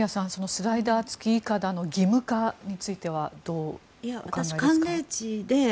スライダー付きいかだの義務化についてはどうお考えですか。